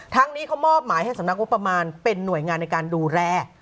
นี้เขามอบหมายให้สำนักงบประมาณเป็นหน่วยงานในการดูแล